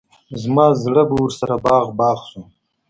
زما زړه به ورسره باغ باغ شو.